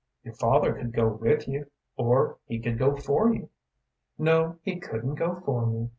"Your father could go with you, or he could go for you." "No, he couldn't go for me.